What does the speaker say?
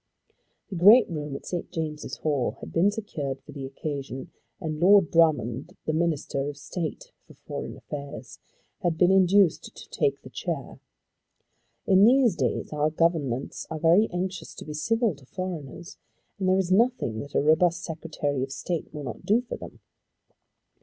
The great room at St. James's Hall had been secured for the occasion, and Lord Drummond, the Minister of State in foreign affairs, had been induced to take the chair. In these days our governments are very anxious to be civil to foreigners, and there is nothing that a robust Secretary of State will not do for them.